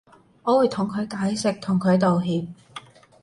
我會同佢解釋同佢道歉